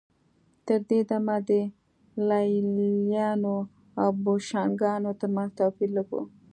تر دې دمه د لېلیانو او بوشنګانو ترمنځ توپیر لږ و